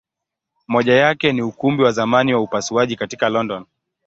Moja yake ni Ukumbi wa zamani wa upasuaji katika London.